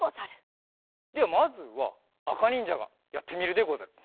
ではまずはあかにんじゃがやってみるでござる。